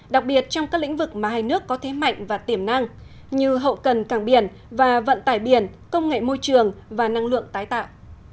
đặc biệt trong các lĩnh vực mà hai nước có thế mạnh và tiềm năng như hậu cần cảng biển và vận tải biển công nghệ môi trường và năng lượng tái tạo